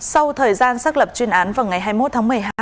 sau thời gian xác lập chuyên án vào ngày hai mươi một tháng một mươi hai